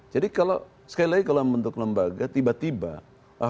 jadi kalau sekali lagi kalau bentuk lembaga tiba tiba